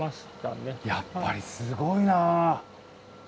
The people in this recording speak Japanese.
やっぱりすごいな。